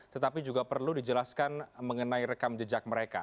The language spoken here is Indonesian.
tetapi juga perlu dijelaskan mengenai rekaman dki